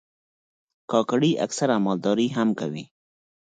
کاکړي اکثره مالداري هم کوي.